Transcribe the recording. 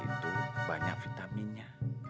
itu banyak vitaminnya